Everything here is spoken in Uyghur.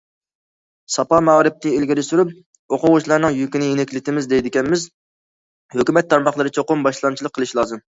ساپا مائارىپىنى ئىلگىرى سۈرۈپ، ئوقۇغۇچىلارنىڭ يۈكىنى يېنىكلىتىمىز دەيدىكەنمىز، ھۆكۈمەت تارماقلىرى چوقۇم باشلامچىلىق قىلىشى لازىم.